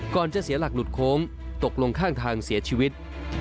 จะเสียหลักหลุดโค้งตกลงข้างทางเสียชีวิต